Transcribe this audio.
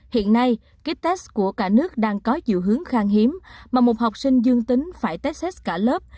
hiện nay kết test của cả nước đang có dự hướng khang hiếm mà một học sinh dương tính phải test hết cả lớp